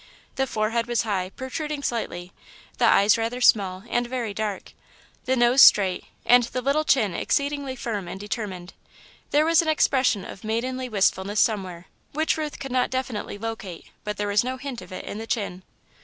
The forehead was high, protruding slightly, the eyes rather small, and very dark, the nose straight, and the little chin exceedingly firm and determined. There was an expression of maidenly wistfulness somewhere, which Ruth could not definitely locate, but there was no hint of it in the chin.